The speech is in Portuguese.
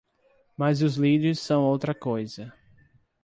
Mas os lírios são outra coisa.